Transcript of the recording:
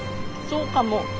そうかも。